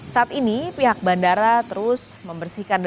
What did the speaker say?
saat ini pihak bandara terus membersihkan